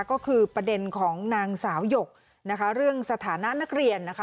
ก็คือประเด็นของนางสาวหยกนะคะเรื่องสถานะนักเรียนนะคะ